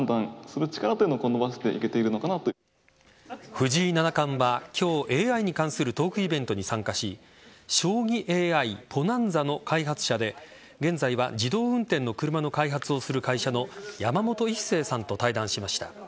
藤井七冠は今日ＡＩに関するトークイベントに参加し将棋ＡＩＰｏｎａｎｚａの開発者で現在は自動運転の車の開発をする会社の山本一成さんと対談しました。